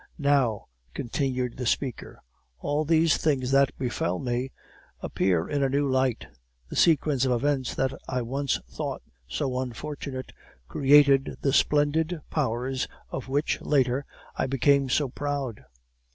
"Now," continued the speaker, "all these things that befell me appear in a new light. The sequence of events that I once thought so unfortunate created the splendid powers of which, later, I became so proud.